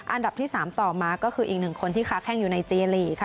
อันดับที่๓ต่อมาก็คืออีกหนึ่งคนที่ค้าแข้งอยู่ในเจลีกค่ะ